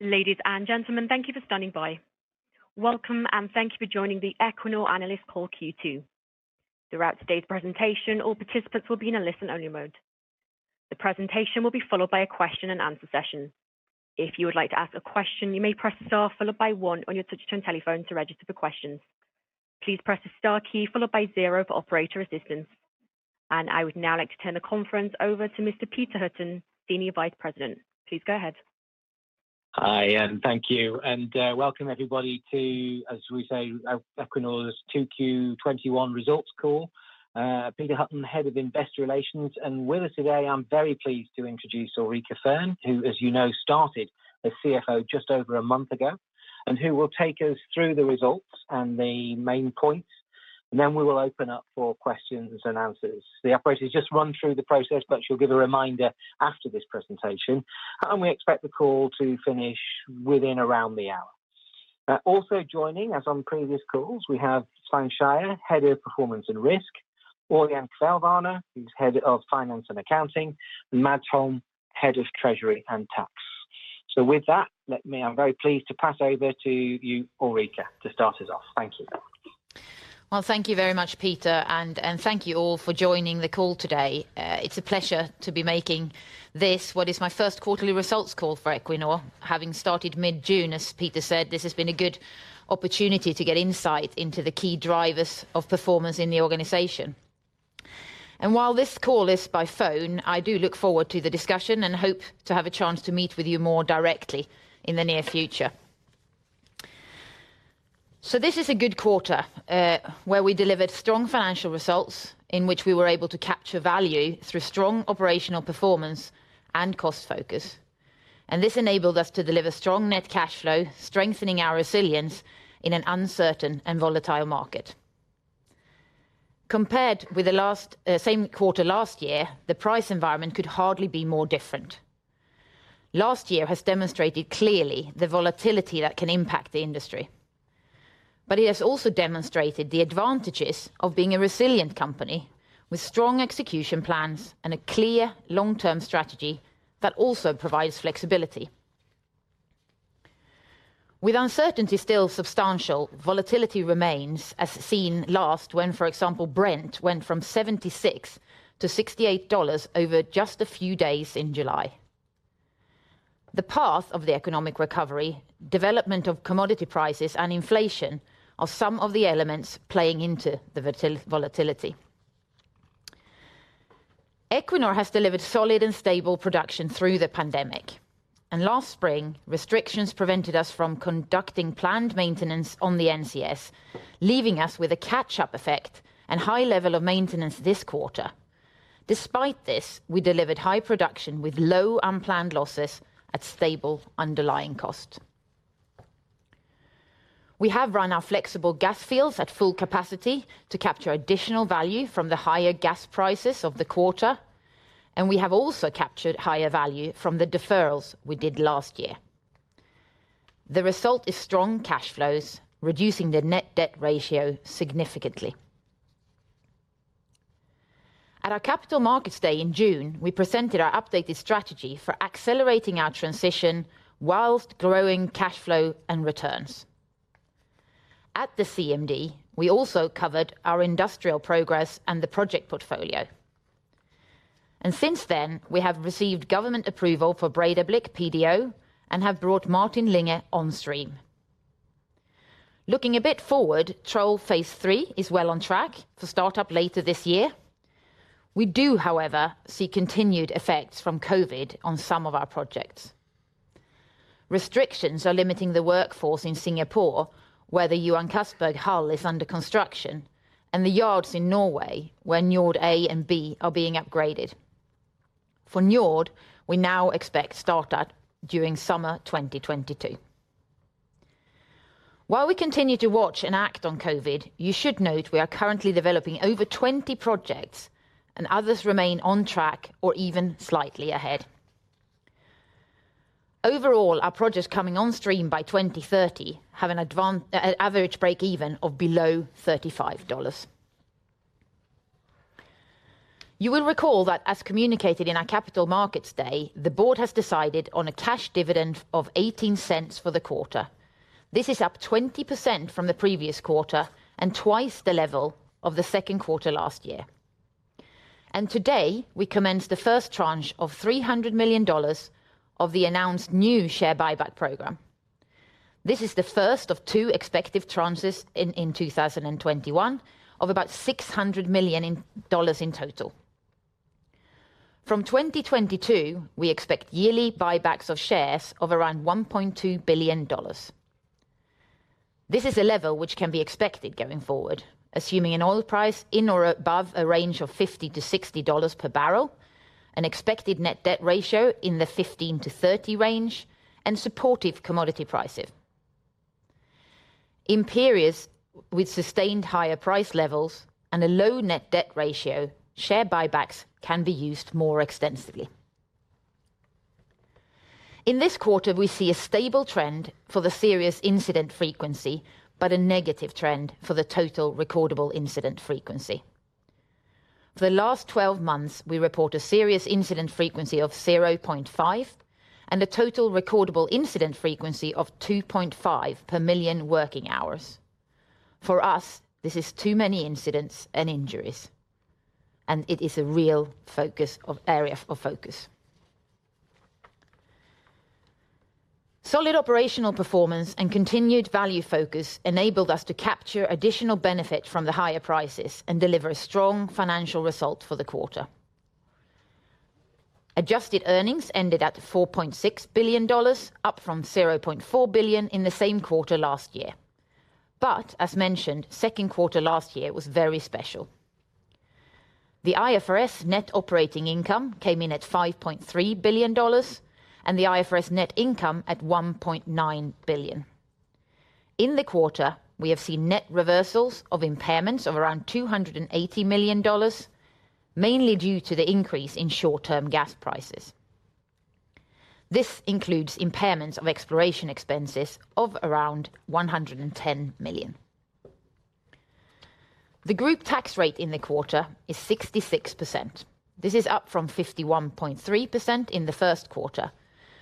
Ladies and gentlemen, thank you for standing by. Welcome, and thank you for joining the Equinor Analyst Call Q2. Throughout today's presentation, all participants will be in a listen-only mode. The presentation will be followed by a question and answer session. I would now like to turn the conference over to Mr. Peter Hutton, Senior Vice President. Please go ahead. Hi, and thank you. Welcome everybody to, as we say, Equinor's 2Q 2021 results call. Peter Hutton, Head of Investor Relations. With us today, I'm very pleased to introduce Ulrica Fearn, who, as you know, started as CFO just over a month ago, and who will take us through the results and the main points. Then we will open up for questions and answers. The operator has just run through the process, but she'll give a reminder after this presentation. We expect the call to finish within around the hour. Also joining, as on previous calls, we have Svein Skeie, Head of Performance and Risk, Ørjan Kvelvane, who's Head of Finance and Accounting, and Mads Holm, Head of Treasury and Tax. With that, I'm very pleased to pass over to you, Ulrica, to start us off. Thank you. Well, thank you very much, Peter. Thank you all for joining the call today. It's a pleasure to be making this, what is my Q1 results call for Equinor. Having started mid-June, as Peter said, this has been a good opportunity to get insight into the key drivers of performance in the organization. While this call is by phone, I do look forward to the discussion and hope to have a chance to meet with you more directly in the near future. This is a good quarter, where we delivered strong financial results, in which we were able to capture value through strong operational performance and cost focus. This enabled us to deliver strong net cash flow, strengthening our resilience in an uncertain and volatile market. Compared with the same quarter last year, the price environment could hardly be more different. Last year has demonstrated clearly the volatility that can impact the industry. It has also demonstrated the advantages of being a resilient company with strong execution plans and a clear long-term strategy that also provides flexibility. With uncertainty still substantial, volatility remains, as seen last when, for example, Brent went from $76 to $68 over just a few days in July. The path of the economic recovery, development of commodity prices, and inflation are some of the elements playing into the volatility. Equinor has delivered solid and stable production through the pandemic. Last spring, restrictions prevented us from conducting planned maintenance on the NCS, leaving us with a catch-up effect and high level of maintenance this quarter. Despite this, we delivered high production with low unplanned losses at stable underlying cost. We have run our flexible gas fields at full capacity to capture additional value from the higher gas prices of the quarter, and we have also captured higher value from the deferrals we did last year. The result is strong cash flows, reducing the net debt ratio significantly. At our Capital Markets Day in June, we presented our updated strategy for accelerating our transition whilst growing cash flow and returns. At the CMD, we also covered our industrial progress and the project portfolio. Since then, we have received government approval for Breidablikk PDO and have brought Martin Linge on stream. Looking a bit forward, Troll Phase 3 is well on track for startup later this year. We do, however, see continued effects from COVID on some of our projects. Restrictions are limiting the workforce in Singapore, where the Johan Castberg hull is under construction, and the yards in Norway, where Njord A and B are being upgraded. For Njord, we now expect start-up during summer 2022. While we continue to watch and act on COVID, you should note we are currently developing over 20 projects, and others remain on track or even slightly ahead. Overall, our projects coming on stream by 2030 have an average break-even of below $35. You will recall that as communicated in our Capital Markets Day, the board has decided on a cash dividend of $0.18 for the quarter. This is up 20% from the previous quarter and twice the level of the Q2 last year. Today, we commence the first tranche of $300 million of the announced new share buyback program. This is the first of two expected tranches in 2021 of about $600 million in total. From 2022, we expect yearly buybacks of shares of around $1.2 billion. This is a level which can be expected going forward, assuming an oil price in or above a range of $50-$60 per barrel, an expected net debt ratio in the 15-30 range, and supportive commodity prices. In periods with sustained higher price levels and a low net debt ratio, share buybacks can be used more extensively. In this quarter, we see a stable trend for the serious incident frequency, but a negative trend for the total recordable incident frequency. For the last 12 months, we report a serious incident frequency of 0.5 and a total recordable incident frequency of 2.5 per million working hours. For us, this is too many incidents and injuries, and it is a real area of focus. Solid operational performance and continued value focus enabled us to capture additional benefit from the higher prices and deliver a strong financial result for the quarter. Adjusted earnings ended at $4.6 billion, up from $0.4 billion in the same quarter last year. As mentioned, Q2 last year was very special. The IFRS net operating income came in at $5.3 billion and the IFRS net income at $1.9 billion. In the quarter, we have seen net reversals of impairments of around $280 million, mainly due to the increase in short-term gas prices. This includes impairments of exploration expenses of around $110 million. The group tax rate in the quarter is 66%. This is up from 51.3% in the Q1,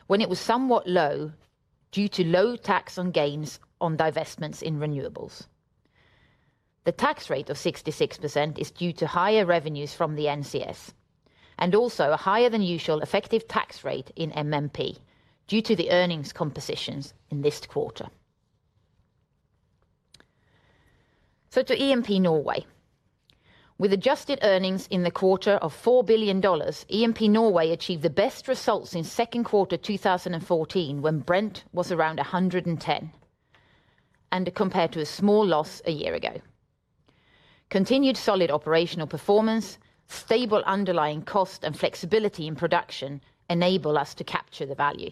when it was somewhat low due to low tax on gains on divestments in renewables. The tax rate of 66% is due to higher revenues from the NCS and also a higher than usual effective tax rate in MMP due to the earnings compositions in this quarter. To E&P Norway. With adjusted earnings in the quarter of NOK 4 billion, E&P Norway achieved the best results in Q2 2014, when Brent was around 110, and compared to a small loss a year ago. Continued solid operational performance, stable underlying cost, and flexibility in production enable us to capture the value.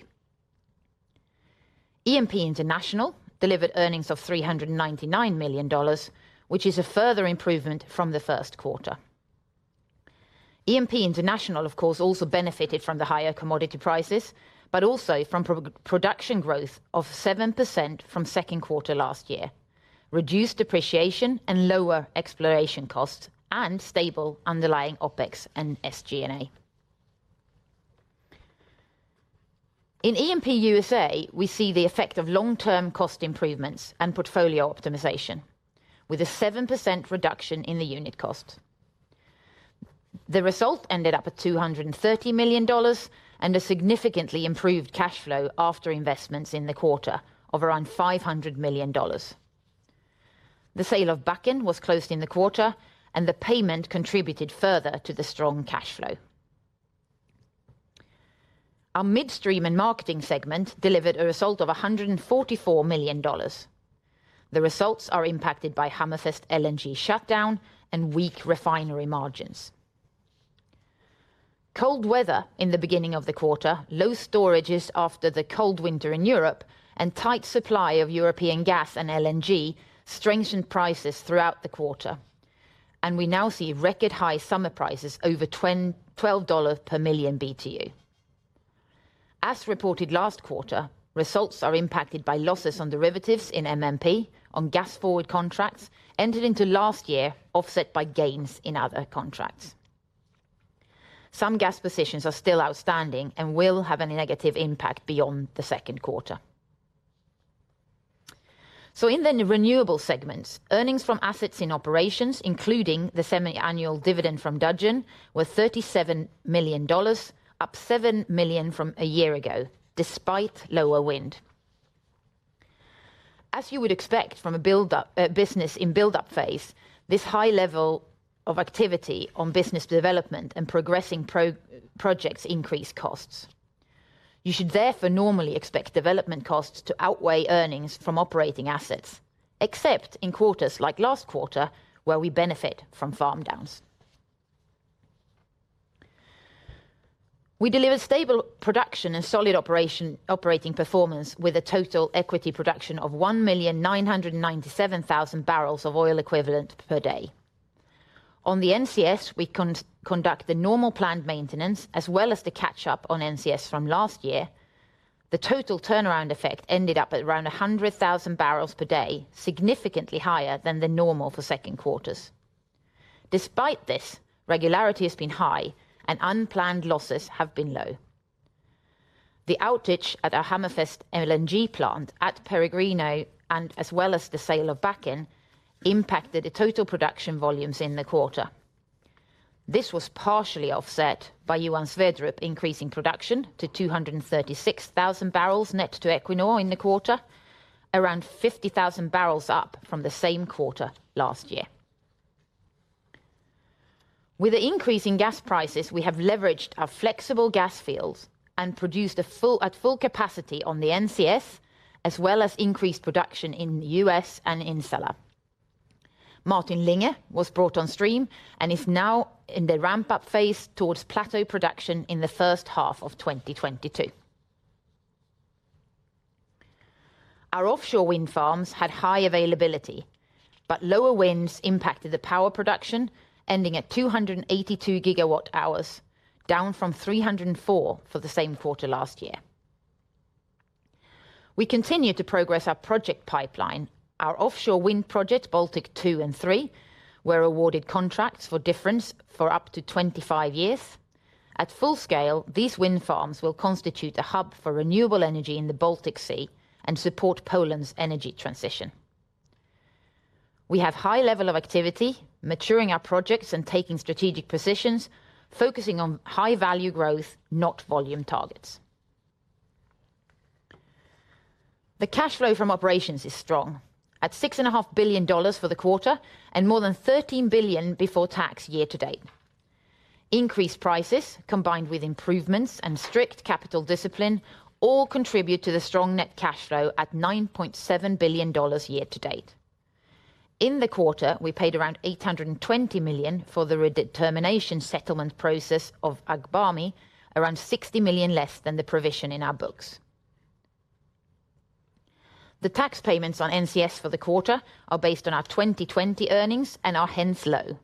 E&P International delivered earnings of NOK 399 million, which is a further improvement from the Q1. E&P International, of course, also benefited from the higher commodity prices, also from production growth of 7% from Q2 last year, reduced depreciation and lower exploration costs, and stable underlying OpEx and SG&A. In E&P USA, we see the effect of long-term cost improvements and portfolio optimization, with a 7% reduction in the unit cost. The result ended up at NOK 230 million and a significantly improved cash flow after investments in the quarter of around NOK 500 million. The sale of Bakken was closed in the quarter, the payment contributed further to the strong cash flow. Our midstream and marketing segment delivered a result of NOK 144 million. The results are impacted by Hammerfest LNG shutdown and weak refinery margins. Cold weather in the beginning of the quarter, low storages after the cold winter in Europe, and tight supply of European gas and LNG strengthened prices throughout the quarter, and we now see record high summer prices over $12 per million BTU. As reported last quarter, results are impacted by losses on derivatives in MMP on gas forward contracts entered into last year, offset by gains in other contracts. Some gas positions are still outstanding and will have a negative impact beyond the Q2. In the renewable segments, earnings from assets in operations, including the semiannual dividend from Dudgeon, were $37 million, up $7 million from a year ago, despite lower wind. As you would expect from a business in build-up phase, this high level of activity on business development and progressing projects increased costs. You should therefore normally expect development costs to outweigh earnings from operating assets, except in quarters like last quarter, where we benefit from farm downs. We delivered stable production and solid operating performance with a total equity production of 1,997,000 barrels of oil equivalent per day. On the NCS, we conduct the normal planned maintenance as well as the catch-up on NCS from last year. The total turnaround effect ended up at around 100,000 barrels per day, significantly higher than the normal for Q2s. Despite this, regularity has been high and unplanned losses have been low. The outage at our Hammerfest LNG plant at Peregrino, and as well as the sale of Bakken, impacted the total production volumes in the quarter. This was partially offset by Johan Sverdrup increasing production to 236,000 barrels net to Equinor in the quarter, around 50,000 barrels up from the same quarter last year. With the increase in gas prices, we have leveraged our flexible gas fields and produced at full capacity on the NCS, as well as increased production in the U.S. and in Sellaf. Martin Linge was brought on stream and is now in the ramp-up phase towards plateau production in the H1 of 2022. Our offshore wind farms had high availability, but lower winds impacted the power production, ending at 282 gigawatt hours, down from 304 for the same quarter last year. We continue to progress our project pipeline. Our offshore wind project, Baltic 2 and 3, were awarded contracts for difference for up to 25 years. At full scale, these wind farms will constitute a hub for renewable energy in the Baltic Sea and support Poland's energy transition. We have high level of activity, maturing our projects and taking strategic positions, focusing on high-value growth, not volume targets. The cash flow from operations is strong, at NOK 6.5 billion for the quarter, and more than 13 billion before tax year to date. Increased prices, combined with improvements and strict capital discipline, all contribute to the strong net cash flow at NOK 9.7 billion year to date. In the quarter, we paid around 820 million for the redetermination settlement process of Agbami, around 60 million less than the provision in our books. The tax payments on NCS for the quarter are based on our 2020 earnings and are hence low.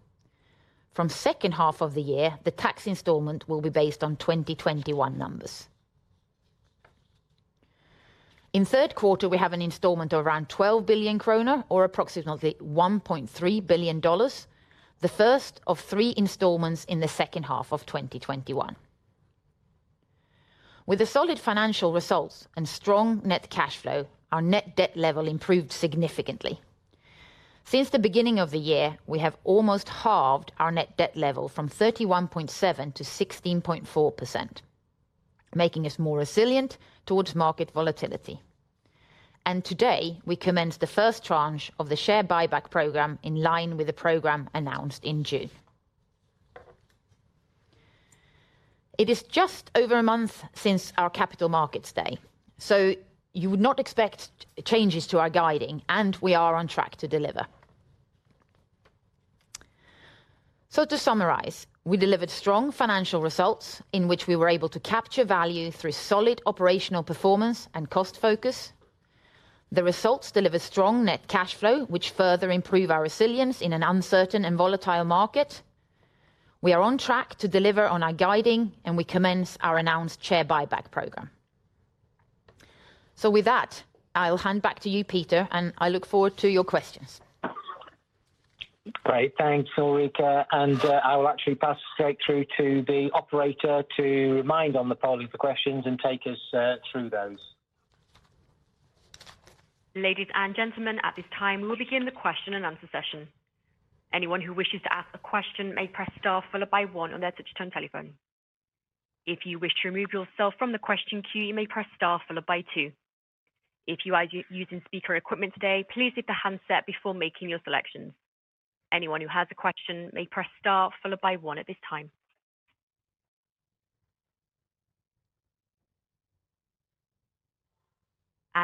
From H2 of the year, the tax installment will be based on 2021 numbers. In Q3, we have an installment of around 12 billion kroner, or approximately $1.3 billion, the first of three installments in the H2 of 2021. With the solid financial results and strong net cash flow, our net debt level improved significantly. Since the beginning of the year, we have almost halved our net debt level from 31.7% to 16.4%, making us more resilient towards market volatility. Today, we commence the first tranche of the share buyback program in line with the program announced in June. It is just over 1 month since our Capital Markets Day, you would not expect changes to our guiding, we are on track to deliver. To summarize, we delivered strong financial results in which we were able to capture value through solid operational performance and cost focus. The results deliver strong net cash flow, which further improve our resilience in an uncertain and volatile market. We are on track to deliver on our guiding, we commence our announced share buyback program. With that, I will hand back to you, Peter, I look forward to your questions. Great. Thanks, Ulrica. I will actually pass straight through to the operator to remind on the polling for questions and take us through those.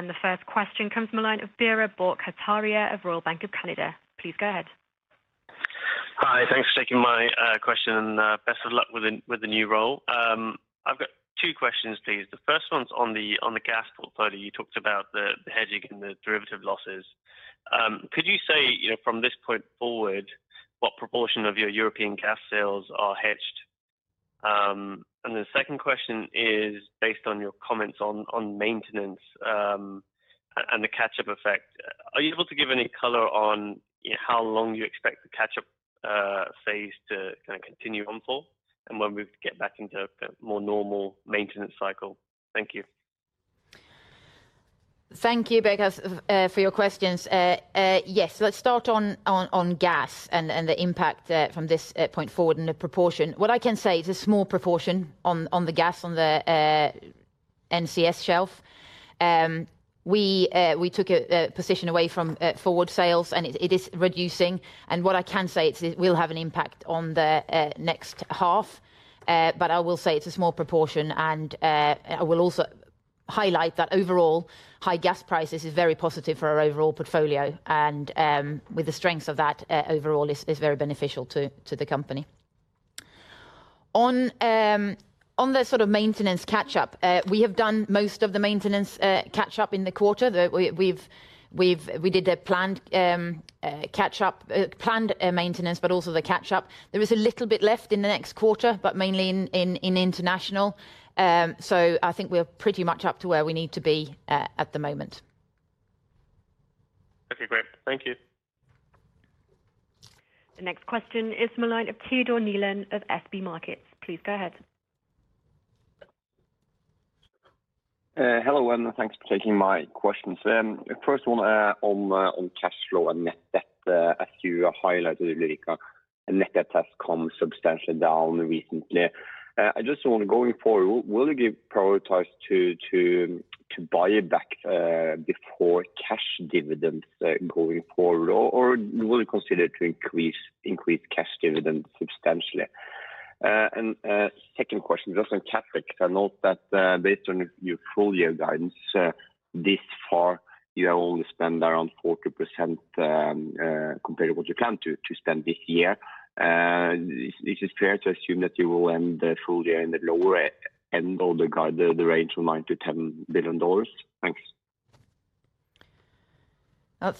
The first question comes from the line of Biraj Borkhataria of Royal Bank of Canada. Please go ahead. Hi, thanks for taking my question. Best of luck with the new role. I've got two questions, please. The first one's on the gas portfolio. You talked about the hedging and the derivative losses. Could you say, from this point forward, what proportion of your European gas sales are hedged? The second question is based on your comments on maintenance and the catch-up effect. Are you able to give any color on how long you expect the catch-up phase to kind of continue on for, and when we get back into a more normal maintenance cycle? Thank you. Thank you, Biraj, for your questions. Yes. Let's start on gas and the impact from this point forward and the proportion. What I can say, it's a small proportion on the gas on the NCS shelf. We took a position away from forward sales, and it is reducing. What I can say, it will have an impact on the next half. I will say it's a small proportion, and I will also highlight that overall, high gas prices is very positive for our overall portfolio, and with the strengths of that overall, is very beneficial to the company. On the sort of maintenance catch-up, we have done most of the maintenance catch-up in the quarter. We did a planned maintenance, but also the catch-up. There is a little bit left in the next quarter, but mainly in international. I think we're pretty much up to where we need to be at the moment. Okay, great. Thank you. The next question is from the line of Teodor Sveen-Nilsen of SB1 Markets AS. Please go ahead. Hello. Thanks for taking my questions. First one on cash flow and net debt. As you highlighted, Ulrica, net debt has come substantially down recently. Going forward, will you prioritize to buy back before cash dividends going forward? Will you consider to increase cash dividends substantially? Second question, just on CapEx. I note that based on your full-year guidance this far, you have only spent around 40% compared to what you plan to spend this year. Is it fair to assume that you will end the full year in the lower end of the range from $9 billion-$10 billion? Thanks.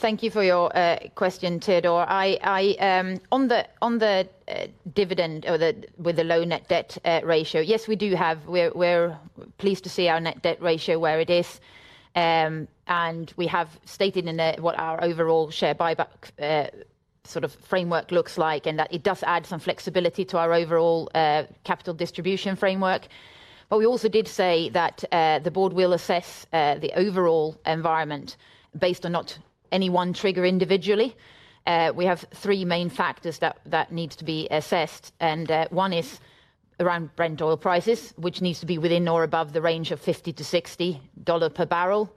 Thank you for your question, Teodor. On the dividend with the low net debt ratio, yes, we do have. We are pleased to see our net debt ratio where it is. We have stated what our overall share buyback sort of framework looks like, and that it does add some flexibility to our overall capital distribution framework. We also did say that the board will assess the overall environment based on not any one trigger individually. We have three main factors that needs to be assessed, one is around Brent oil prices, which needs to be within or above the range of $50-$60 per barrel.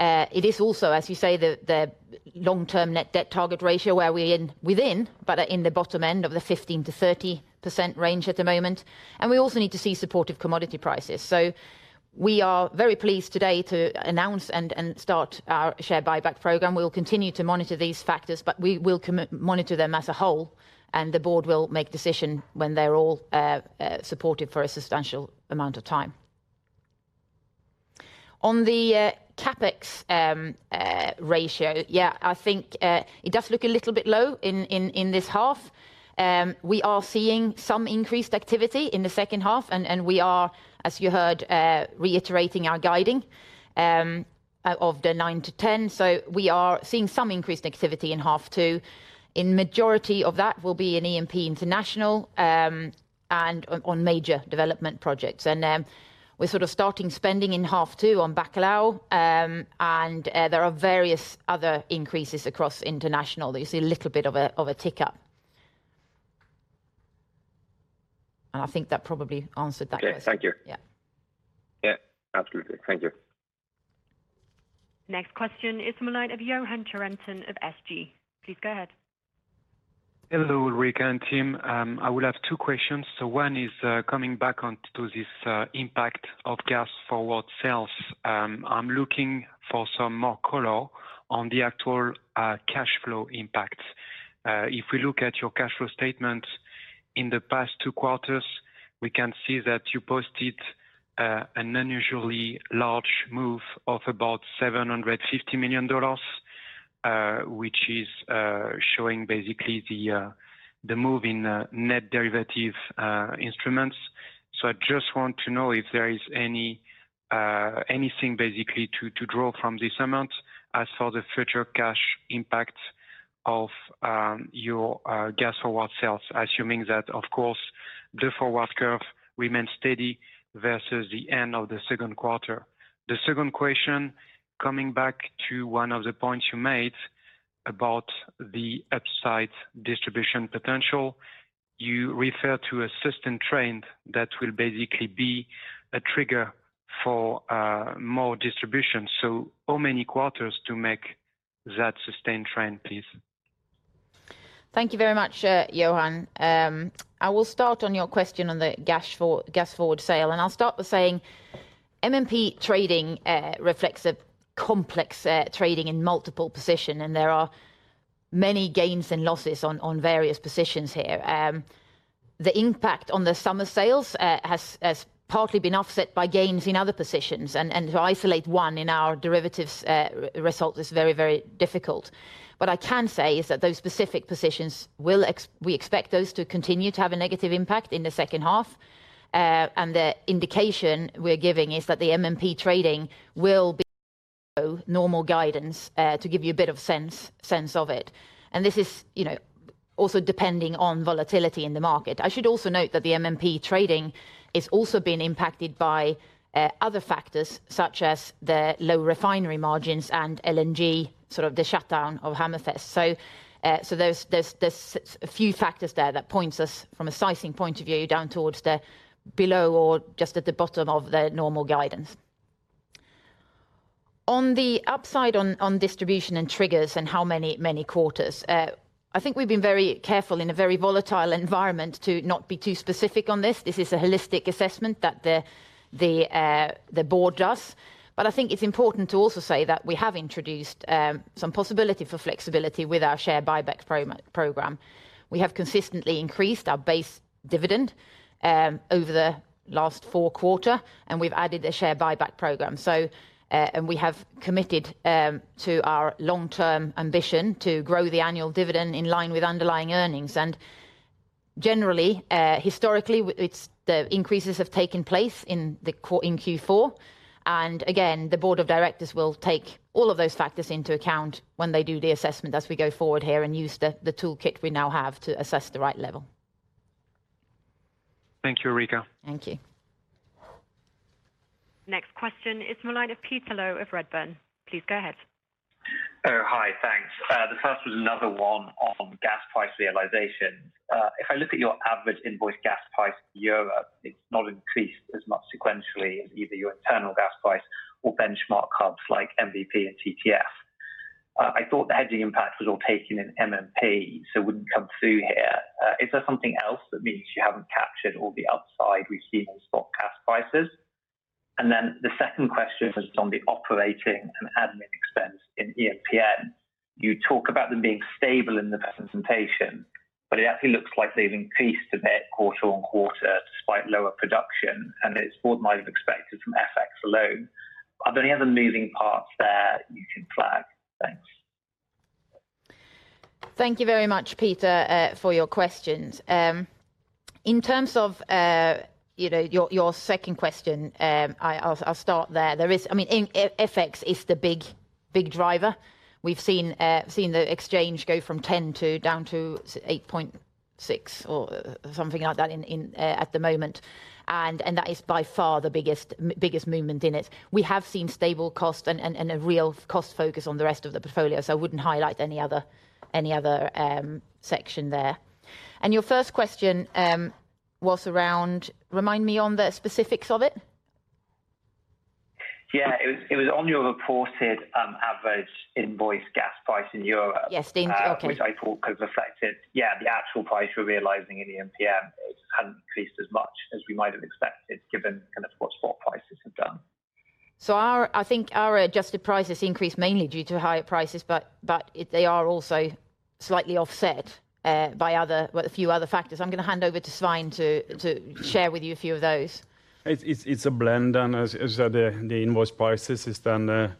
It is also, as you say, the long-term net debt target ratio where we are within, but are in the bottom end of the 15%-30% range at the moment. We also need to see supportive commodity prices. We are very pleased today to announce and start our share buyback program. We'll continue to monitor these factors. We will monitor them as a whole. The board will make decision when they're all supportive for a substantial amount of time. On the CapEx ratio, I think it does look a little bit low in this half. We are seeing some increased activity in the H2. We are, as you heard, reiterating our guiding of the nine to ten. We are seeing some increased activity in H2. In majority of that will be in E&P International, on major development projects. We're sort of starting spending in H2 on Bacalhau. There are various other increases across international that you see a little bit of a tick up. I think that probably answered that question. Okay. Thank you. Yeah. Yeah, absolutely. Thank you. Next question is the line of Yoann Charenton of SG. Please go ahead. Hello, Ulrica and team. I will have two questions. One is coming back onto this impact of gas forward sales. I am looking for some more color on the actual cashflow impact. If we look at your cashflow statement in the past two quarters, we can see that you posted an unusually large move of about NOK 750 million, which is showing basically the move in net derivative instruments. I just want to know if there is anything basically to draw from this amount as for the future cash impact of your gas forward sales, assuming that, of course, the forward curve remains steady versus the end of the Q2. The second question, coming back to one of the points you made about the upside distribution potential. You refer to a system trend that will basically be a trigger for more distribution. How many quarters to make that sustained trend, please? Thank you very much, Yoann. I will start on your question on the gas forward sale. I'll start with saying MMP trading reflects a complex trading in multiple position, and there are many gains and losses on various positions here. The impact on the summer sales has partly been offset by gains in other positions. To isolate one in our derivatives result is very, very difficult. What I can say is that those specific positions, we expect those to continue to have a negative impact in the H2. The indication we're giving is that the MMP trading will be normal guidance, to give you a bit of sense of it. This is also depending on volatility in the market. I should also note that the MMP trading is also being impacted by other factors, such as the low refinery margins and LNG, sort of the shutdown of Hammerfest. There's a few factors there that points us from a sizing point of view down towards the below or just at the bottom of the normal guidance. On the upside on distribution and triggers and how many quarters. I think we've been very careful in a very volatile environment to not be too specific on this. This is a holistic assessment that the board does. I think it's important to also say that we have introduced some possibility for flexibility with our share buyback program. We have consistently increased our base dividend over the last four quarters, and we've added a share buyback program. We have committed to our long-term ambition to grow the annual dividend in line with underlying earnings. Generally, historically, the increases have taken place in Q4. Again, the board of directors will take all of those factors into account when they do the assessment as we go forward here and use the toolkit we now have to assess the right level. Thank you, Ulrica. Thank you. Next question is the line of Peter Low of Redburn. Please go ahead. Hi. Thanks. The first was another one on gas price realization. If I look at your average invoice gas price in Europe, it's not increased as much sequentially as either your internal gas price or benchmark hubs like NBP and TTF. I thought the hedging impact was all taken in MMP, so it wouldn't come through here. Is there something else that means you haven't captured all the upside we've seen on spot gas prices? The second question is on the operating and admin expense in E&PN. You talk about them being stable in the presentation. It actually looks like they've increased a bit quarter-on-quarter despite lower production, and it's more than might have expected from FX alone. Are there any other moving parts there you can flag? Thanks. Thank you very much, Peter, for your questions. In terms of your second question, I'll start there. FX is the big driver. We've seen the exchange go from 10 down to 8.6 or something like that at the moment. That is by far the biggest movement in it. We have seen stable cost and a real cost focus on the rest of the portfolio, I wouldn't highlight any other section there. Your first question was around, remind me on the specifics of it. Yeah. It was on your reported average invoice gas price in Europe. Yes, okay. Which I thought has affected, yeah, the actual price we're realizing in the MMP. It hadn't increased as much as we might have expected given kind of what spot prices have done. I think our adjusted prices increased mainly due to higher prices, but they are also slightly offset by a few other factors. I am going to hand over to Svein to share with you a few of those. It's a blend, and the invoice prices is then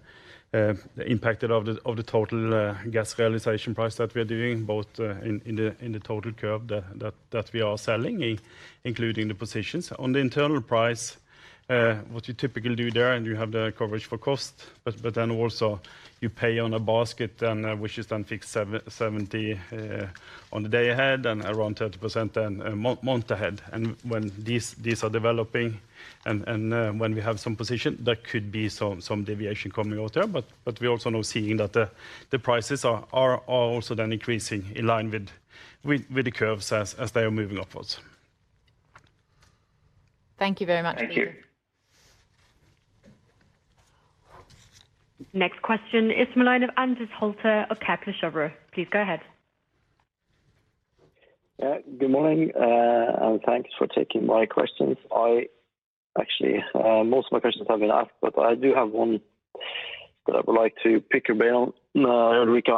impacted by the total gas realization price that we are doing, both in the total curve that we are selling, including the positions. On the internal price, what you typically do there, and you have the coverage for cost, but then also you pay on a basket, and which is then fixed 70% on the day ahead and around 30% then month ahead. When these are developing, and when we have some position, there could be some deviation coming out there, but we are also now seeing that the prices are also then increasing in line with the curves as they are moving upwards. Thank you very much. Thank you. Next question is the line of Anders Holte of Kepler Cheuvreux. Please go ahead. Yeah, good morning. Thanks for taking my questions. Actually, most of my questions have been asked. I do have one that I would like to pick your brain on, Ulrica.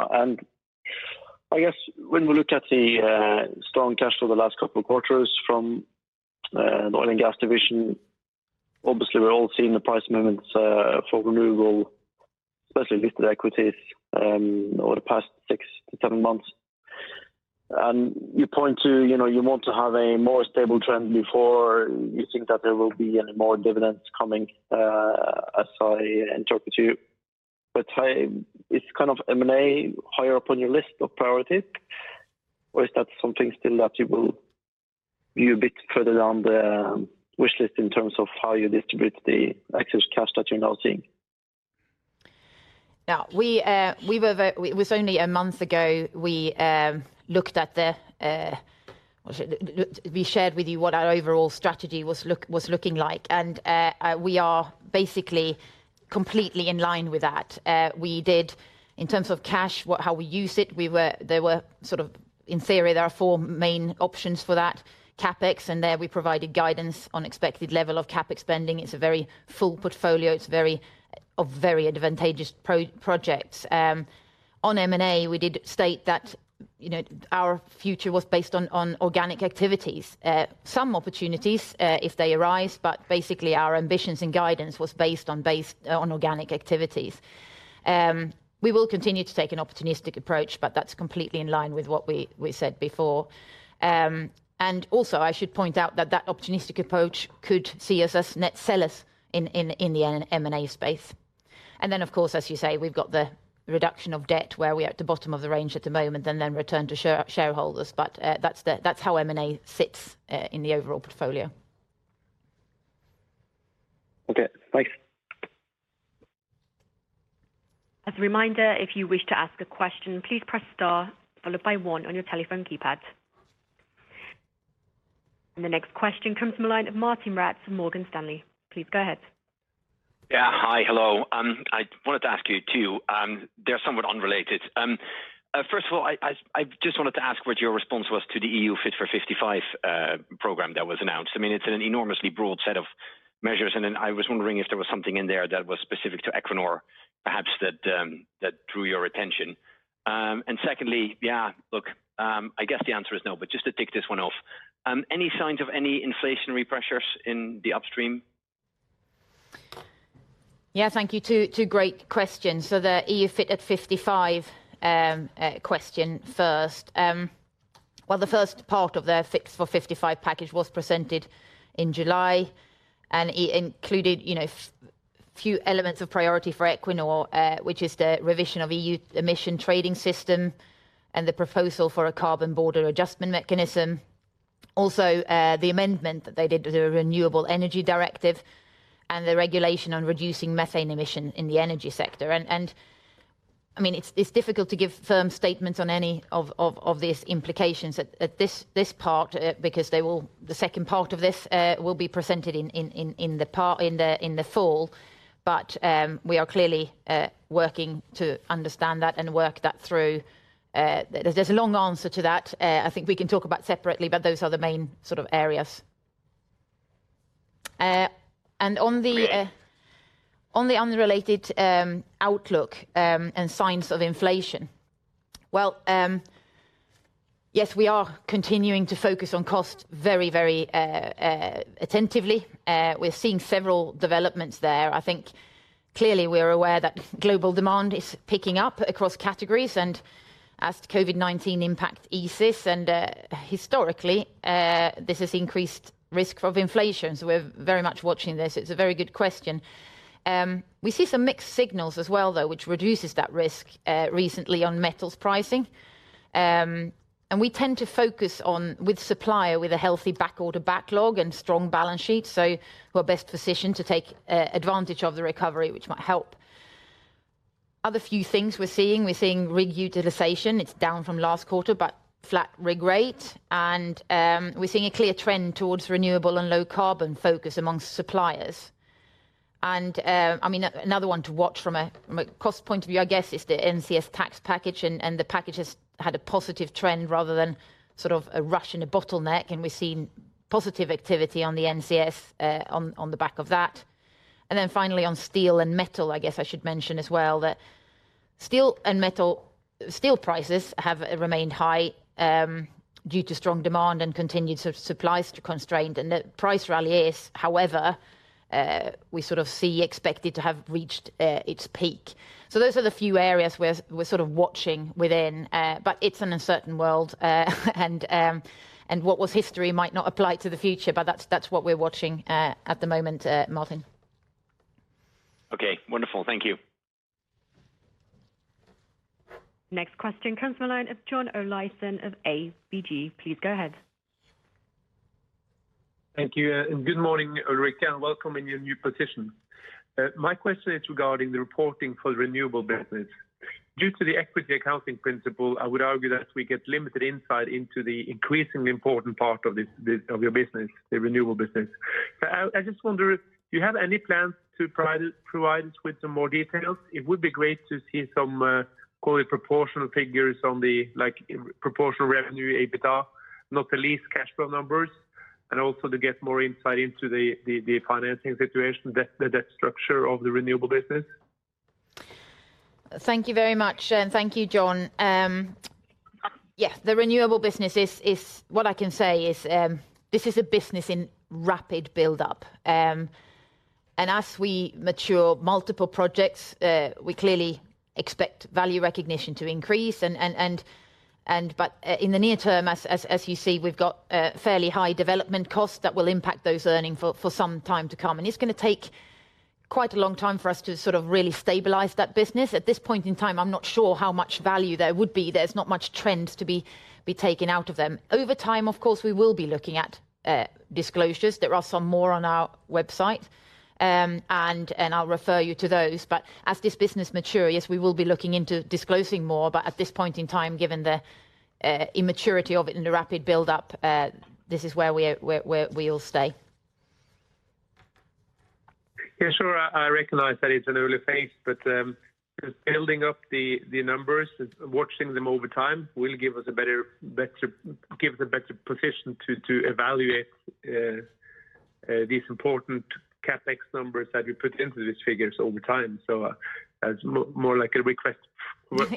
I guess when we look at the strong cash flow the last twi quarters from the oil and gas division, obviously we're all seeing the price movements for renewable, especially listed equities, over the past six, seven months. You point to, you want to have a more stable trend before you think that there will be any more dividends coming, as I interpret you. Is kind of M&A higher up on your list of priorities, or is that something still that you will view a bit further down the wish list in terms of how you distribute the excess cash that you're now seeing? It was only a month ago we shared with you what our overall strategy was looking like, and we are basically completely in line with that. We did, in terms of cash, how we use it, in theory, there are four main options for that. CapEx, and there we provided guidance on expected level of CapEx spending. It's a very full portfolio. It's a very advantageous project. On M&A, we did state that our future was based on organic activities. Some opportunities, if they arise, but basically our ambitions and guidance was based on organic activities. We will continue to take an opportunistic approach, but that's completely in line with what we said before. Also, I should point out that that opportunistic approach could see us as net sellers in the M&A space. Of course, as you say, we've got the reduction of debt, where we're at the bottom of the range at the moment, and then return to shareholders. That's how M&A sits in the overall portfolio. Okay. Thanks. As a reminder, if you wish to ask a question, please press star followed by one on your telephone keypad. The next question comes from the line of Martijn Rats from Morgan Stanley. Please go ahead. Yeah. Hi. Hello. I wanted to ask you two, they're somewhat unrelated. First of all, I just wanted to ask what your response was to the EU Fit for 55 program that was announced. It's an enormously broad set of measures, and then I was wondering if there was something in there that was specific to Equinor, perhaps that drew your attention. Secondly, yeah, look, I guess the answer is no, but just to tick this one off. Any signs of any inflationary pressures in the upstream? Yeah. Thank you. Two great questions. The EU Fit for 55 question first. Well, the 1st part of the Fit for 55 package was presented in July, and it included few elements of priority for Equinor, which is the revision of EU Emission Trading System and the proposal for a Carbon Border Adjustment Mechanism, also the amendment that they did to the Renewable Energy Directive and the regulation on reducing methane emission in the energy sector. It's difficult to give firm statements on any of these implications at this part, because the second part of this will be presented in the fall. We are clearly working to understand that and work that through. There's a long answer to that I think we can talk about separately, but those are the main sort of areas. On the unrelated outlook and signs of inflation. Well, yes, we are continuing to focus on cost very attentively. We're seeing several developments there. I think clearly we are aware that global demand is picking up across categories and as the COVID-19 impact eases, and historically, this has increased risk of inflation. We're very much watching this. It's a very good question. We see some mixed signals as well though, which reduces that risk, recently on metals pricing. We tend to focus on with supplier, with a healthy backorder backlog and strong balance sheet, so we're best positioned to take advantage of the recovery, which might help. Other few things we're seeing, we're seeing rig utilization. It's down from last quarter, but flat rig rate. We're seeing a clear trend towards renewable and low carbon focus amongst suppliers. Another one to watch from a cost point of view, I guess, is the NCS tax package. The package has had a positive trend rather than sort of a rush and a bottleneck. We're seeing positive activity on the NCS on the back of that. Finally on steel and metal, I guess I should mention as well that steel prices have remained high due to strong demand and continued supplies constrained. The price rally is, however, we sort of see expected to have reached its peak. Those are the few areas we're sort of watching within. It's an uncertain world, and what was history might not apply to the future, but that's what we're watching at the moment, Martijn. Okay. Wonderful. Thank you. Next question comes from the line of John Olaisen of ABG. Please go ahead. Thank you. Good morning, Ulrica. Welcome in your new position. My question is regarding the reporting for the renewable business. Due to the equity accounting principle, I would argue that we get limited insight into the increasingly important part of your business, the renewable business. I just wonder if you have any plans to provide us with some more details. It would be great to see some call it proportional figures on the proportional revenue, EBITDA, not the least cash flow numbers, and also to get more insight into the financing situation, the debt structure of the renewable business. Thank you very much. Thank you, John. Yes. The renewable business what I can say is, this is a business in rapid buildup. As we mature multiple projects, we clearly expect value recognition to increase. In the near term, as you see, we've got fairly high development costs that will impact those earnings for some time to come. It's going to take quite a long time for us to sort of really stabilize that business. At this point in time, I'm not sure how much value there would be. There's not much trend to be taken out of them. Over time, of course, we will be looking at disclosures. There are some more on our website, and I'll refer you to those. As this business matures, yes, we will be looking into disclosing more. At this point in time, given the immaturity of it and the rapid buildup, this is where we'll stay. Yeah, sure. I recognize that it's an early phase. Just building up the numbers, watching them over time will give us a better position to evaluate these important CapEx numbers that we put into these figures all the time. More like a request.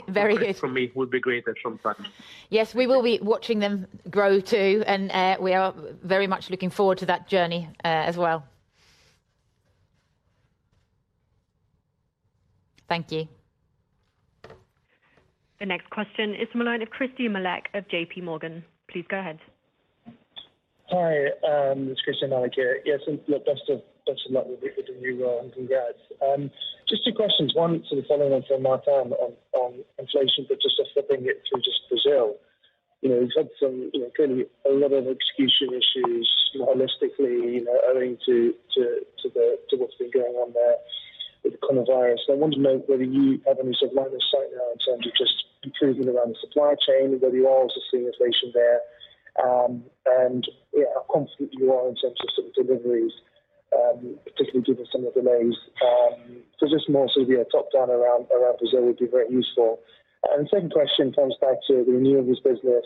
Very good. From me would be great at some time. Yes. We will be watching them grow, too, and we are very much looking forward to that journey as well. Thank you. The next question is from the line of Christyan Malek of JPMorgan. Please go ahead. Hi, it's Christyan Malek here. Yes, look, best of luck with the new role, and congrats. Just two questions. One sort of following on from Martijn on inflation, but just flipping it to just Brazil. We've had some clearly a lot of execution issues holistically, owing to what's been going on there with the coronavirus. I wanted to know whether you have any sort of line of sight now in terms of just improving around the supply chain and whether you are also seeing inflation there, and yeah, how confident you are in terms of sort of deliveries, particularly given some of the delays. Just more sort of top down around Brazil would be very useful. Second question comes back to the renewables business.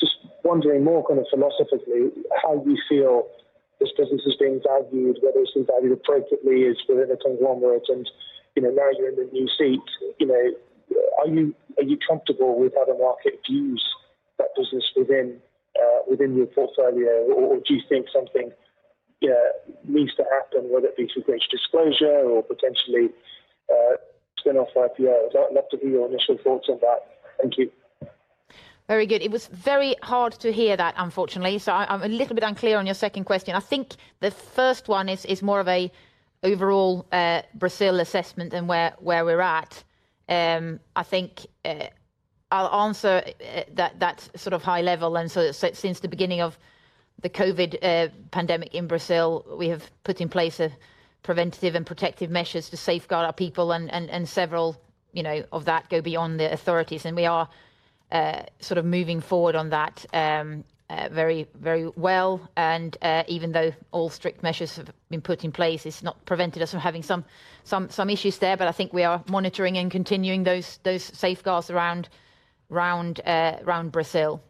Just wondering more kind of philosophically how you feel this business is being valued, whether it's been valued appropriately as we're in a kind of onward. Now you're in the new seat. Are you comfortable with how the market views that business within your portfolio? Or do you think something needs to happen, whether it be through greater disclosure or potentially spin off IPO? I'd love to hear your initial thoughts on that. Thank you. Very good. It was very hard to hear that, unfortunately. I'm a little bit unclear on your second question. I think the first one is more of a overall Brazil assessment and where we're at. I think I'll answer that sort of high level. Since the beginning of the COVID pandemic in Brazil, we have put in place preventative and protective measures to safeguard our people and several of that go beyond the authorities. We are sort of moving forward on that very well. Even though all strict measures have been put in place, it's not prevented us from having some issues there. I think we are monitoring and continuing those safeguards around Brazil.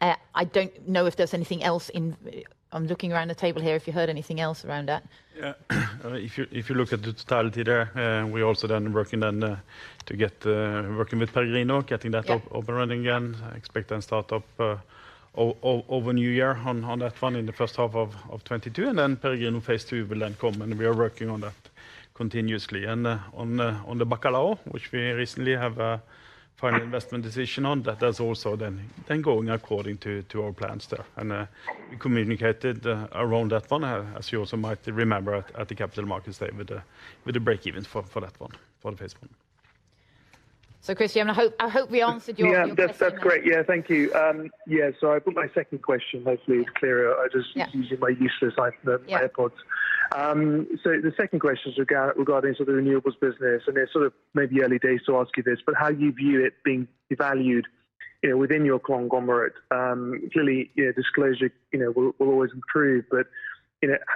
I don't know if there's anything else. I'm looking around the table here, if you heard anything else around that. Yeah. If you look at the totality there, we're also then working to get working with Peregrino, getting that up and running again. Expect then start up over New Year on that one in the H1 of 2022. Peregrino Phase 2 will then come. We are working on that continuously. On the Bacalhau, which we recently have a final investment decision on, that's also then going according to our plans there. We communicated around that one, as you also might remember at the Capital Markets Day, with the break-evens for that one, for the first one. Christyan, I hope we answered your question. Yeah, that's great. Yeah, thank you. I put my second question, hopefully it's clearer. Yeah. I'm just using my useless AirPods. Yeah. The second question is regarding sort of renewables business, and it is sort of maybe early days to ask you this, but how you view it being valued within your conglomerate. Clearly, disclosure will always improve.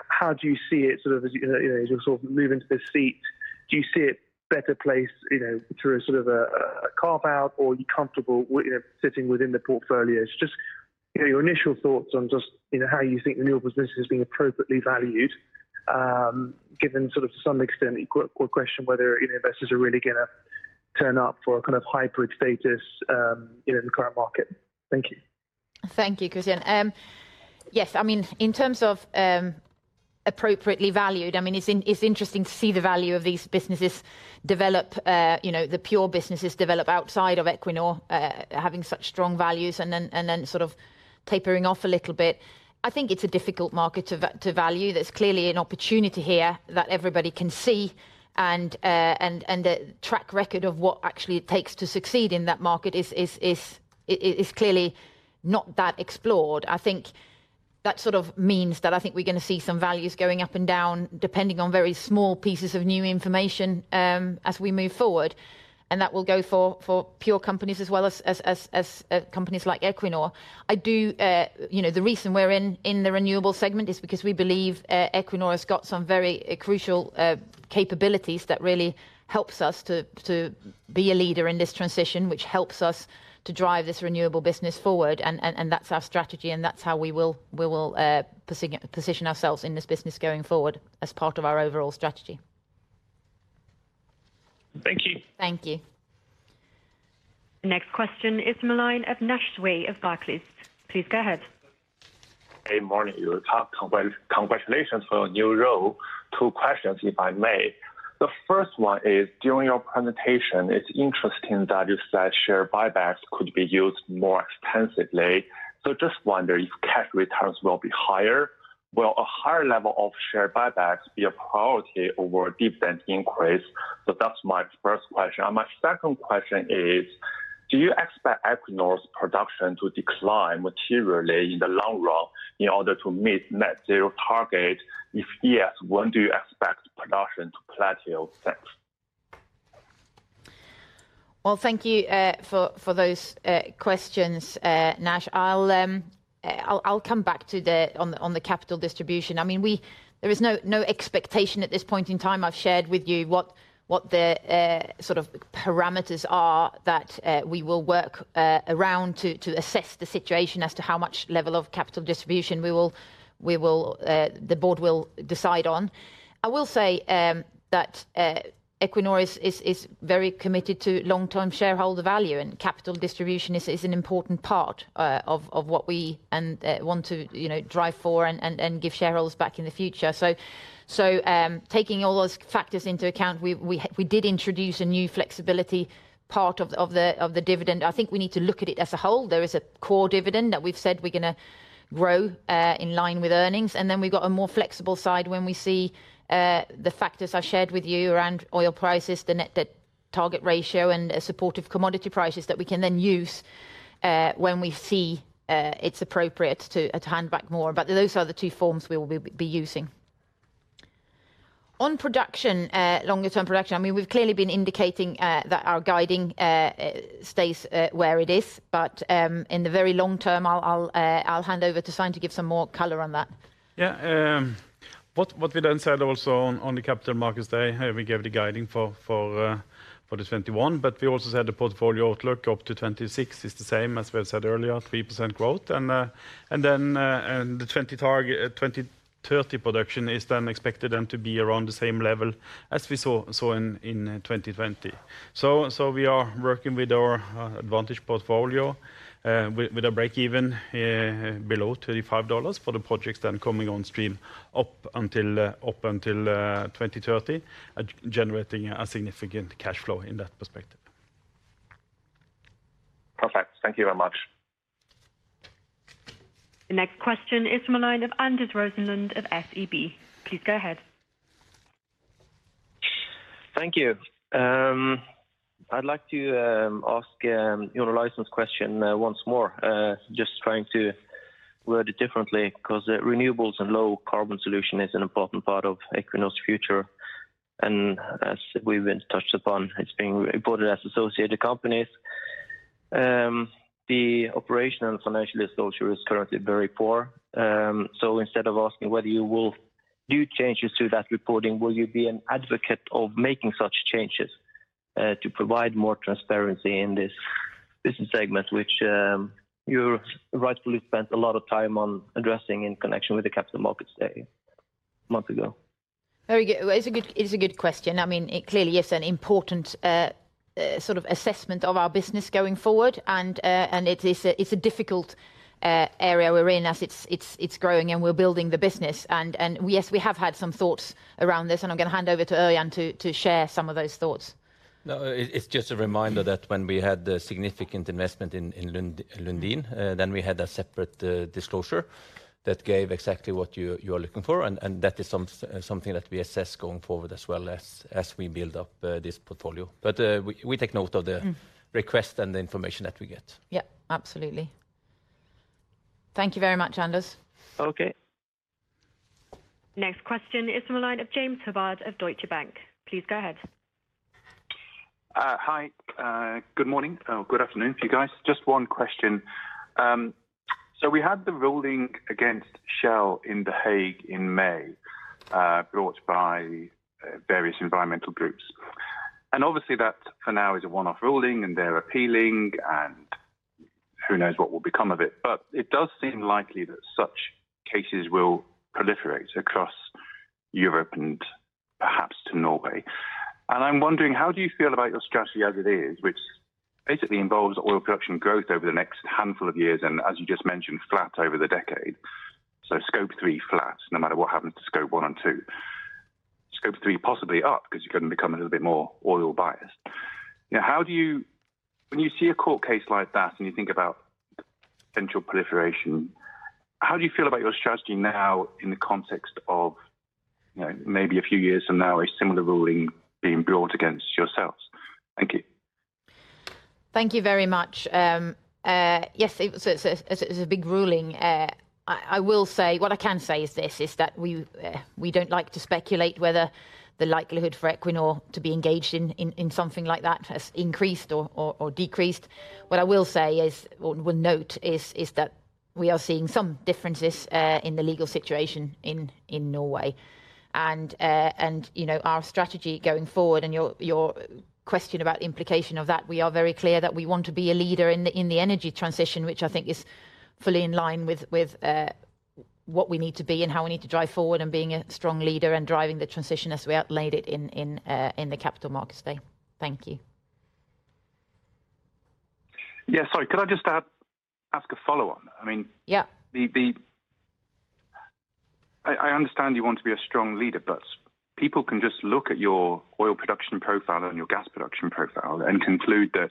How do you see it sort of as you sort of move into this seat, do you see a better place through a sort of a carve-out, or are you comfortable with it sitting within the portfolios? Just your initial thoughts on just how you think the renewables business is being appropriately valued, given sort of to some extent you could question whether investors are really going to turn up for a kind of hybrid status in the current market. Thank you. Thank you, Christyan. Yes, I mean, in terms of appropriately valued, it's interesting to see the value of these businesses develop, the pure businesses develop outside of Equinor, having such strong values and then sort of tapering off a little bit. I think it's a difficult market to value. There's clearly an opportunity here that everybody can see. The track record of what actually it takes to succeed in that market is clearly not that explored. I think that sort of means that I think we're going to see some values going up and down depending on very small pieces of new information as we move forward. That will go for pure companies as well as companies like Equinor. The reason we're in the renewable segment is because we believe Equinor has got some very crucial capabilities that really helps us to be a leader in this transition, which helps us to drive this renewable business forward. That's our strategy, and that's how we will position ourselves in this business going forward as part of our overall strategy. Thank you. Thank you. Next question is from the line of Naisheng Cui of Barclays. Please go ahead. Hey, morning to you. Congratulations for your new role. Two questions, if I may. The first one is, during your presentation, it's interesting that you said share buybacks could be used more extensively, so just wonder if cash returns will be higher. Will a higher level of share buybacks be a priority over a dividend increase? That's my first question. My second question is, do you expect Equinor's production to decline materially in the long run in order to meet net zero target? If yes, when do you expect production to plateau, thanks? Well, thank you for those questions, Nash. I'll come back on the capital distribution. There is no expectation at this point in time. I've shared with you what the sort of parameters are that we will work around to assess the situation as to how much level of capital distribution the board will decide on. I will say that Equinor is very committed to long-term shareholder value, and capital distribution is an important part of what we want to drive for and give shareholders back in the future. Taking all those factors into account, we did introduce a new flexibility part of the dividend. I think we need to look at it as a whole. There is a core dividend that we've said we're going to grow in line with earnings. Then we've got a more flexible side when we see the factors I shared with you around oil prices, the net debt target ratio, and supportive commodity prices that we can then use when we see it's appropriate to hand back more. Those are the two forms we will be using. On production, longer term production, we've clearly been indicating that our guiding stays where it is. In the very long term, I'll hand over to Svein to give some more color on that. Yeah. What we then said also on the Capital Markets Day, we gave the guiding for the 2021. We also said the portfolio outlook up to 2026 is the same as we said earlier, 3% growth. The 2030 production is then expected to be around the same level as we saw in 2020. We are working with our advantage portfolio, with a break-even below $35 for the projects that are coming on stream up until 2030, generating a significant cash flow in that perspective. Perfect. Thank you very much. The next question is from the line of Anders Rosenlund of SEB. Please go ahead. Thank you. I'd like to ask you a license question once more. Just trying to word it differently, because renewables and low carbon solution is an important part of Equinor's future. As we've touched upon, it's being reported as associated companies. The operational and financial disclosure is currently very poor. Instead of asking whether you will do changes to that reporting? Will you be an advocate of making such changes to provide more transparency in this business segment, which you rightfully spent a lot of time on addressing in connection with the Capital Markets Day a month ago? Very good. It is a good question. Clearly, yes, an important sort of assessment of our business going forward, and it's a difficult area we're in as it's growing and we're building the business. Yes, we have had some thoughts around this, and I'm going to hand over to Ørjan to share some of those thoughts. No, it's just a reminder that when we had the significant investment in Lundin, then we had a separate disclosure that gave exactly what you are looking for, and that is something that we assess going forward as well, as we build up this portfolio. We take note of the request and the information that we get. Yep, absolutely. Thank you very much, Anders. Okay. Next question is from the line of James Hubbard of Deutsche Bank. Please go ahead. Hi. Good morning, good afternoon to you guys. Just one question. We had the ruling against Shell in The Hague in May, brought by various environmental groups. Obviously, that, for now, is a one-off ruling and they're appealing, and who knows what will become of it. It does seem likely that such cases will proliferate across Europe, and perhaps to Norway. I'm wondering, how do you feel about your strategy as it is, which basically involves oil production growth over the next handful of years, and as you just mentioned, flat over the decade. Scope 3 flat, no matter what happens to Scope 1 and 2. Scope 3 possibly up, because you're going to become a little bit more oil biased. When you see a court case like that and you think about potential proliferation, how do you feel about your strategy now in the context of maybe a few years from now, a similar ruling being brought against yourselves? Thank you. Thank you very much. Yes, it was a big ruling. What I can say is this, we don't like to speculate whether the likelihood for Equinor to be engaged in something like that has increased or decreased. What I will say is, or will note, is that we are seeing some differences in the legal situation in Norway. Our strategy going forward and your question about the implication of that, we are very clear that we want to be a leader in the energy transition, which I think is fully in line with what we need to be and how we need to drive forward and being a strong leader and driving the transition as we outlined it in the Capital Markets Day. Thank you. Yeah, sorry. Could I just ask a follow-on? Yeah. I understand you want to be a strong leader, but people can just look at your oil production profile and your gas production profile and conclude that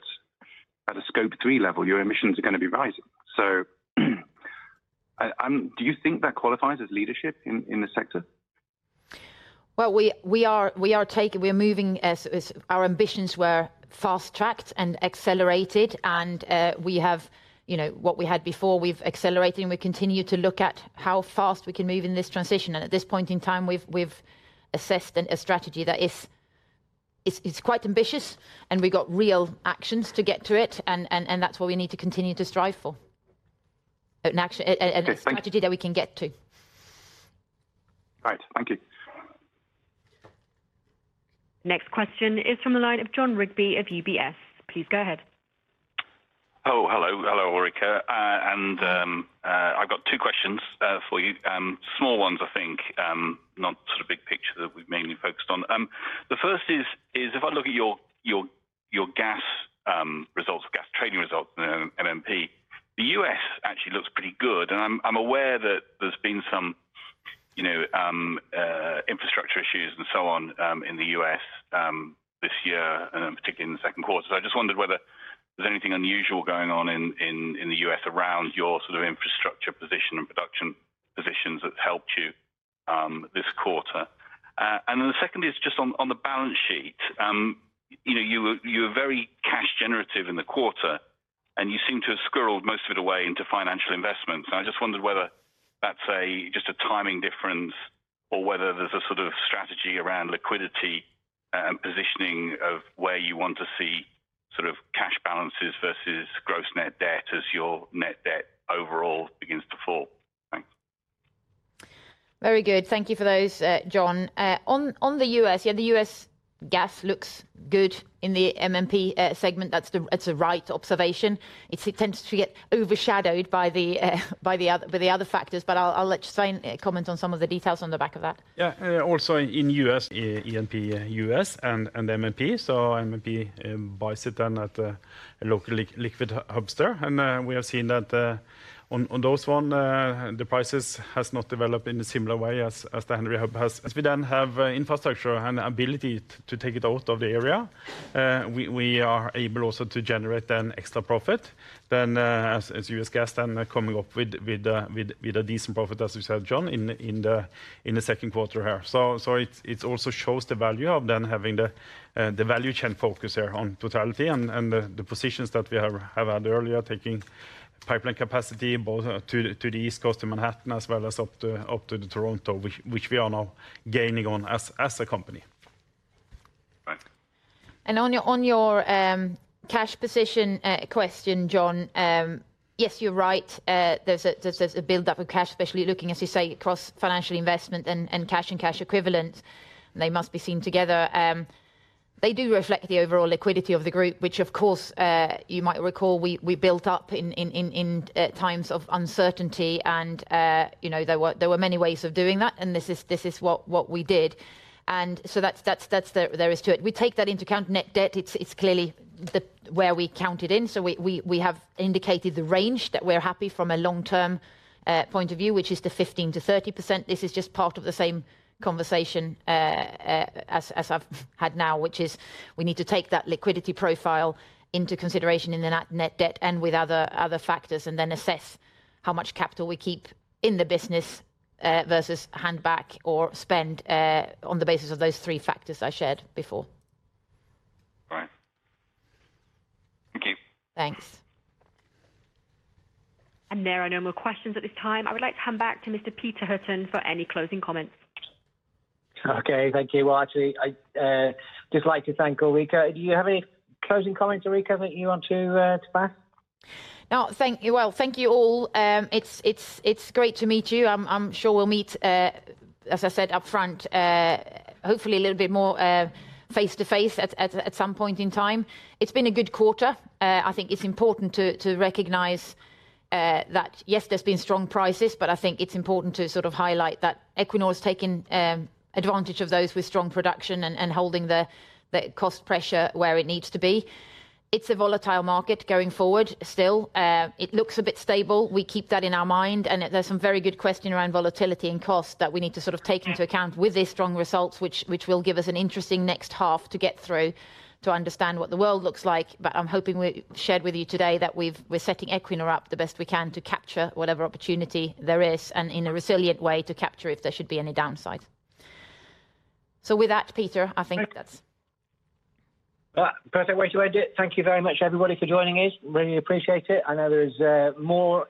at a Scope 3 level, your emissions are going to be rising. Do you think that qualifies as leadership in the sector? Well, our ambitions were fast-tracked and accelerated, what we had before, we've accelerated and we continue to look at how fast we can move in this transition. At this point in time, we've assessed a strategy that is quite ambitious, we've got real actions to get to it, that's what we need to continue to strive for. Okay, thank you. A strategy that we can get to. Right. Thank you. Next question is from the line of Jon Rigby of UBS. Please go ahead. Hello. Hello, Ørjan. I've got two questions for you. Small ones, I think, not sort of big picture that we've mainly focused on. The 1st is, if I look at your gas results, gas trading results in the MMP, the U.S. actually looks pretty good. I'm aware that there's been some infrastructure issues and so on in the U.S. this year, and particularly in the Q2. I just wondered whether there's anything unusual going on in the U.S. around your sort of infrastructure position and production positions that helped you this quarter. The second is just on the balance sheet. You were very cash generative in the quarter, and you seem to have squirreled most of it away into financial investments. I just wondered whether that's just a timing difference or whether there's a sort of strategy around liquidity and positioning of where you want to see sort of cash balances versus gross net debt as your net debt overall begins to fall. Thanks. Very good. Thank you for those, Jon. On the U.S., yeah, the U.S. gas looks good in the MMP segment. That's a right observation. It tends to get overshadowed by the other factors, but I'll let Øystein comment on some of the details on the back of that. Also, in U.S., ENP U.S. and MMP. MMP buys it then at a local liquid hubs there. We have seen that on those ones, the prices has not developed in a similar way as the Henry Hub has. As we then have infrastructure and ability to take it out of the area, we are able also to generate an extra profit. As U.S. gas then coming up with a decent profit, as you said, Jon, in the Q2 here. It also shows the value of then having the value chain focus here on totality and the positions that we have had earlier, taking pipeline capacity both to the East Coast, to Manhattan, as well as up to the Toronto, which we are now gaining on as a company. On your cash position question, Jon, yes, you're right. There's a buildup of cash, especially looking, as you say, across financial investment and cash and cash equivalents. They must be seen together. They do reflect the overall liquidity of the group, which of course, you might recall, we built up in times of uncertainty. There were many ways of doing that, and this is what we did. There is to it. We take that into account. Net debt, it's clearly where we count it in. We have indicated the range that we're happy from a long-term point of view, which is the 15%-30%. This is just part of the same conversation as I've had now, which is we need to take that liquidity profile into consideration in the net debt and with other factors, and then assess how much capital we keep in the business versus hand back or spend on the basis of those three factors I shared before. Right. Thank you. Thanks. There are no more questions at this time. I would like to hand back to Mr. Peter Hutton for any closing comments. Okay, thank you. Well, actually, I'd just like to thank Ulrica. Do you have any closing comments, Ulrica, that you want to pass? No. Well, thank you all. It's great to meet you. I'm sure we'll meet, as I said upfront, hopefully a little bit more face-to-face at some point in time. It's been a good quarter. I think it's important to recognize that, yes, there's been strong prices. I think it's important to sort of highlight that Equinor has taken advantage of those with strong production and holding the cost pressure where it needs to be. It's a volatile market going forward still. It looks a bit stable. We keep that in our mind. There's some very good question around volatility and cost that we need to sort of take into account with these strong results, which will give us an interesting next half to get through to understand what the world looks like. I'm hoping we shared with you today that we're setting Equinor up the best we can to capture whatever opportunity there is, and in a resilient way to capture if there should be any downside. With that, Peter, I think that's. Perfect way to end it. Thank you very much, everybody, for joining us. Really appreciate it. I know there's more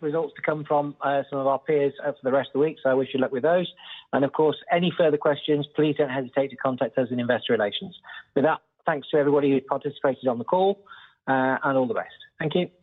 results to come from some of our peers for the rest of the week, so I wish you luck with those. Of course, any further questions, please don't hesitate to contact us in Investor Relations. With that, thanks to everybody who participated on the call, and all the best. Thank you.